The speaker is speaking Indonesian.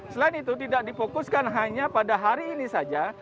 selain itu tidak dipokuskan hanya pada hari ini saja